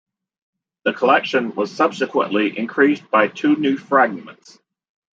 The collection was subsequently increased by two new fragments.